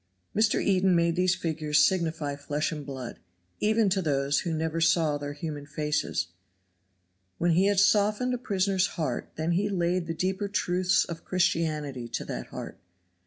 Mr. Eden made these figures signify flesh and blood, even to those who never saw their human faces. When he had softened a prisoner's heart then he laid the deeper truths of Christianity to that heart.